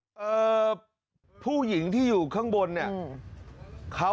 ไม่รู้เป็นอะไรค่ะไม่ได้ตอบเฉยค่ะ